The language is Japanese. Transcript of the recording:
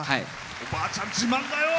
おばあちゃん、自慢だよ。